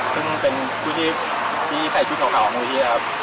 ซึ่งเป็นผู้ที่ใส่ชุดข่าวในวันนี้ครับ